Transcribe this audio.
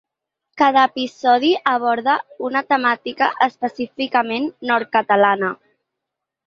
Cada episodi aborda una temàtica específicament nord-catalana.